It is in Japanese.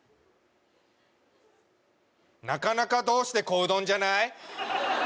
なかなかどうして小うどんじゃない？